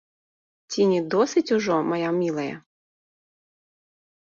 Ці не досыць ужо, мая мілая?